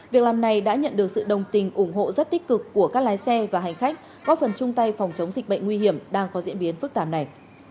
việc làm này đã nhận được sự đồng tình ủng hộ rất tích cực của các lái xe và hành khách góp phần chung tay phòng chống dịch bệnh nguy hiểm đang có diễn biến phức tạp này